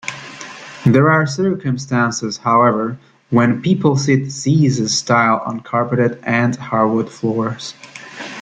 There are circumstances, however, when people sit "seiza"-style on carpeted and hardwood floors.